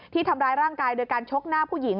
ที่ทำร้ายร่างกายโดยการชกหน้าผู้หญิง